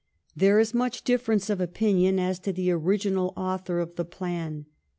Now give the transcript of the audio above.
There is much difference of opinion as to the original author of the plan.